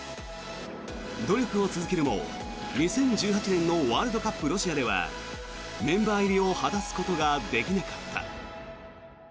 努力を続けるも、２０１８年のワールドカップロシアではメンバー入りを果たすことができなかった。